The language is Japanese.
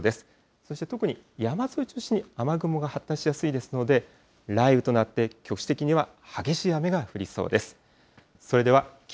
そして、特に山沿いを中心に雨雲が発達しやすいですので、雷雨となって、局地的には激しい雨が降りそうです。